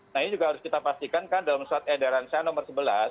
nah ini juga harus kita pastikan kan dalam surat edaran saya nomor sebelas